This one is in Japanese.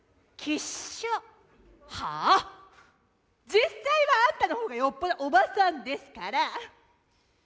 実際はあんたのほうがよっぽどおばさんですから。